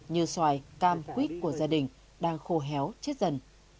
như xoài cam quýt của gia đình đang khô héo chết dần